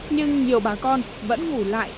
nhưng nhiều bà con vẫn ngủ lại